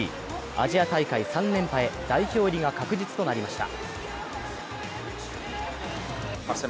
アジア大会３連覇へ代表入りが確実となりました。